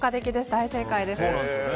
大正解です。